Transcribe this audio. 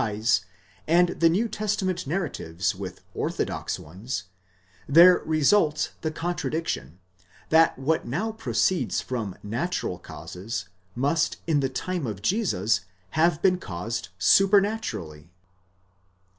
eyes, and the New Testament narratives with orthodox ones, there results the contradiction, that what now proceeds from natural causes, must in the time of Jesus have been caused supernaturally.